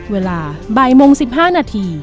เวลาบ่ายโมง๑๕นาที